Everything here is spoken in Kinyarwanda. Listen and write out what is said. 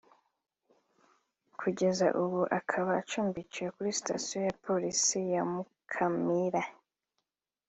Kugeza ubu akaba acumbikiwe kuri Station ya Police ya Mukamira